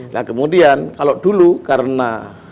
nah kemudian kalau dulu karena